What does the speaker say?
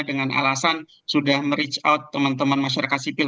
dengan alasan sudah merich out teman teman masyarakat sipil